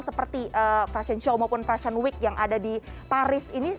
seperti fashion show maupun fashion week yang ada di paris ini